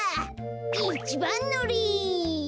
いちばんのり。